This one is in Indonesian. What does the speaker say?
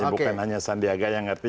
bukan hanya sandiaga yang ngerti